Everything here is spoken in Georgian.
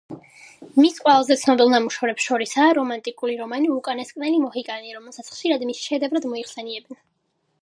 მის ყველაზე ცნობილ ნამუშევრებს შორისაა რომანტიკული რომანი „უკანასკნელი მოჰიკანი“, რომელსაც ხშირად მის შედევრად მოიხსენიებენ.